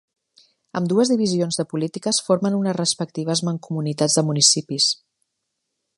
Ambdues divisions de polítiques formen unes respectives mancomunitats de municipis.